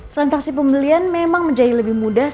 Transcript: transaksi pembelian memang menjadi lebih mudah